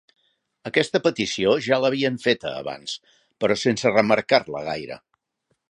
Aquesta petició ja la havien feta abans, però sense remarcar-la gaire.